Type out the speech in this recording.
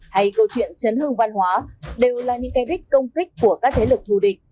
hay câu chuyện chấn hương văn hóa đều là những cái đích công kích của các thế lực thù địch